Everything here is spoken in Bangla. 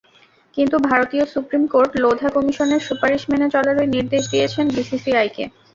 কিন্তু ভারতীয় সুপ্রিম কোর্ট লোধা কমিশনের সুপারিশ মেনে চলারই নির্দেশ দিয়েছেন বিসিসিআইকে।